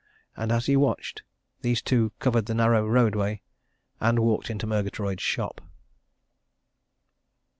And as he watched, these two covered the narrow roadway, and walked into Murgatroyd's shop.